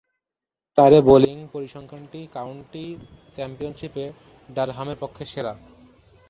তার এ বোলিং পরিসংখ্যানটি কাউন্টি চ্যাম্পিয়নশীপে ডারহামের পক্ষে সেরা।